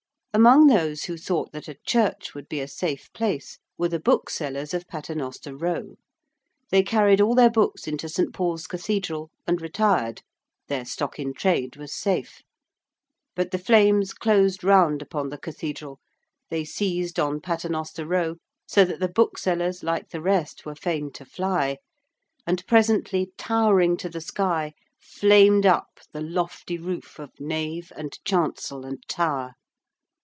Among those who thought that a church would be a safe place were the booksellers of Paternoster Row. They carried all their books into St. Paul's Cathedral and retired their stock in trade was safe. But the flames closed round upon the Cathedral: they seized on Paternoster Row, so that the booksellers like the rest were fain to fly: and presently towering to the sky flamed up the lofty roof of nave and chancel and tower.